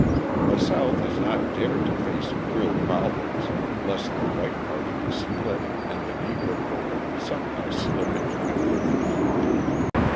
The South has not dared to face real problems lest the white party be split and the Negro voter somehow slip into influence.